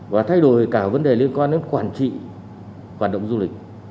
và thay đổi cả vấn đề liên quan đến quản trị hoạt động du lịch